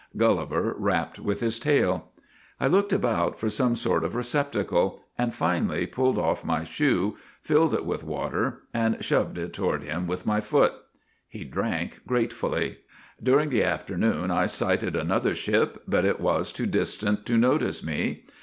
' Gulliver rapped with his tail. I looked about for some sort of receptacle, and finally pulled off my shoe, filled it with water, and shoved it toward him with my foot. He drank gratefully. ' During the afternoon I sighted another ship, but it was too distant to notice me.